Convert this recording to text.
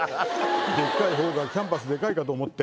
でっかい方がキャンバスでかいかと思って。